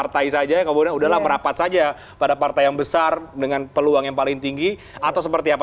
kalau memang ini pragmatisme partai saja ya kemudian udahlah merapat saja pada partai yang besar dengan peluang yang paling tinggi atau seperti apa